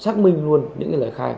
xác minh luôn những lời khai